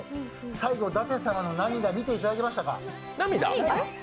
最後、舘様の涙見ていただけましたか。